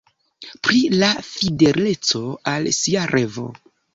Pri la fideleco al sia revo.